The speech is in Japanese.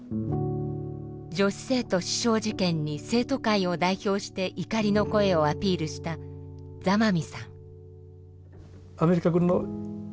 女子生徒刺傷事件に生徒会を代表して怒りの声をアピールした授業